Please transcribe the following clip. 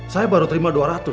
saya baru terima dua ratus